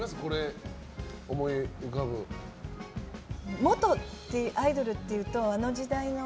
元アイドルというとあの時代の。